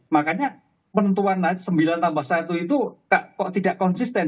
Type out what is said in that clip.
makanya penentuan sembilan tambah satu itu kok tidak konsisten